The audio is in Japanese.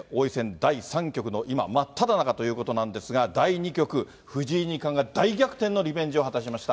第３局の今、真っただ中ということなんですが、第２局、藤井二冠が大逆転のリベンジを果たしました。